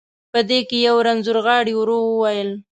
په دې کې یو رنځور غاړي، ورو وویل.